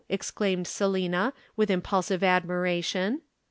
exclaimed Selina, with impulsive admiration.